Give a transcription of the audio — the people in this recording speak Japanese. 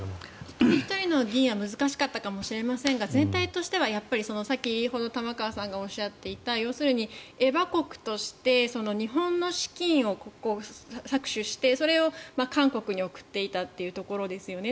一人ひとりの議員は難しかったかもしれませんが全体としては玉川さんがおっしゃっていたエバ国として日本の資金を搾取してそれを韓国に送っていたというところですね。